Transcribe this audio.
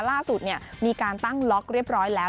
ล่าสุดมีการตั้งล็อกเรียบร้อยแล้ว